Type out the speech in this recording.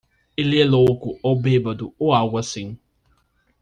Ele é louco ou bêbado ou algo assim.